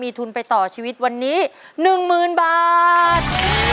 ทุนไปต่อชีวิตวันนี้๑๐๐๐บาท